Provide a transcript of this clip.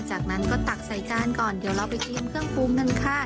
จากนั้นก็ตักใส่กล้านก่อนเดี๋ยวเราไปเตรียมเครื่องปุ้มด้านค่ะ